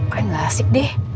kayak gak asik deh